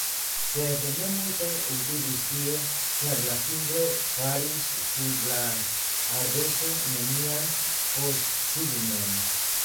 Sed ne multe utilis tio, ĉar la fingro faris sur la ardezo nenian postsignon.